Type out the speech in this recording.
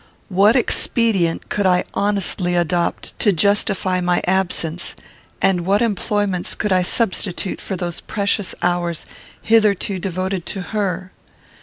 What expedient could I honestly adopt to justify my absence, and what employments could I substitute for those precious hours hitherto devoted to her?